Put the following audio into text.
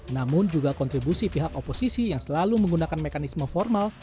namun juga kontribusi pihak oposisi yang selalu menggunakan mekanisme formal